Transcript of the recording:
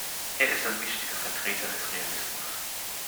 Er ist ein wichtiger Vertreter des Realismus.